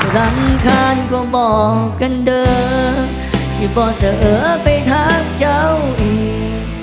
รำคาญก็บอกกันเด้อที่เปอเสี่ยไปธามเจ้าอีก